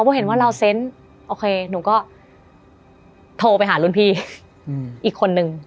พอเห็นว่าเราเซ็นต์โอเคหนูก็โทรไปหารุ่นพี่อีกคนนึง